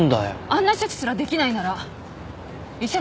あんな処置すらできないなら医者